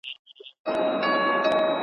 د جهاني غوندي د ورځي په رڼا درځمه `